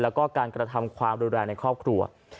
แล้วก็การกระทำความรุนแรงในครอบครัว